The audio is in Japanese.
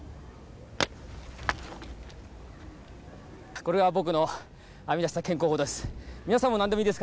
これが僕の編み出した健康法です。